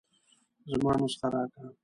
زما نسخه راکه.